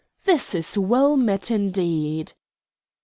"This is well met indeed."